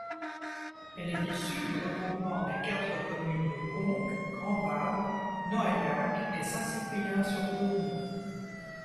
Elle est issue du regroupement des quatre communes de Conques, Grand-Vabre, Noailhac et Saint-Cyprien-sur-Dourdou.